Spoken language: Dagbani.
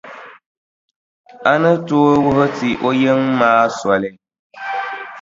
A ni tooi wuhi ti o yiŋa maa soli.